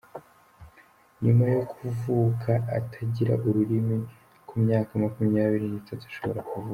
Nyuma yo kuvuka atagira ururimi ku myaka makumyabiri nitatu ashobora kuvuga